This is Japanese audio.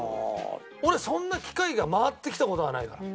俺そんな機会が回ってきた事はないから。